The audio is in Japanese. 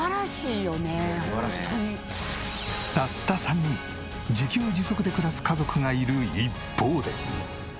たった３人自給自足で暮らす家族がいる一方で。